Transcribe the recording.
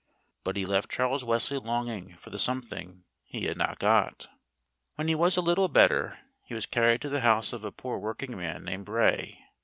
But he left Charles Wesley longing for the something he had not got. When he was a little better, he was carried to the house of a poor working man named Bray.